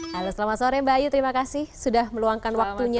halo selamat sore mbak ayu terima kasih sudah meluangkan waktunya